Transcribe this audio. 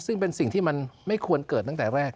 ซึ่งเป็นสิ่งที่มันไม่ควรเกิดตั้งแต่แรก